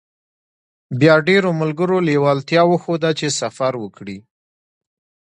بيا ډېرو ملګرو لېوالتيا وښوده چې سفر وکړي.